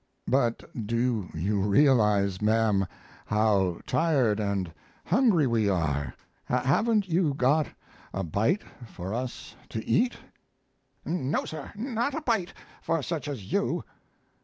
"But do you realize, ma'am, how tired and hungry we are? Haven't you got a bite for us to eat?" "No, sir, not a bite for such as you."